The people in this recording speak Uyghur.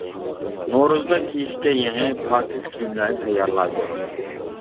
نورۇزدا كىيىشكە يېڭى، پاكىز كىيىملەرنى تەييارلايدۇ.